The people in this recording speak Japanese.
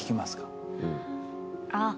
あっ！